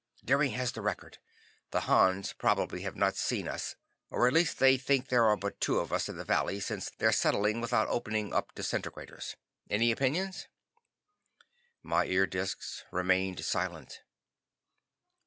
Deering has the record. The Hans probably have not seen us, or at least think there are but two of us in the valley, since they're settling without opening up disintegrators. Any opinions?" My ear discs remained silent.